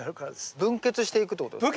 分けつしていくってことですか？